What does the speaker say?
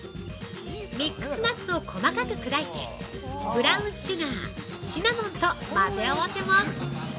ミックスナッツを細かく砕いてブラウンシュガー、シナモンと混ぜ合わせます。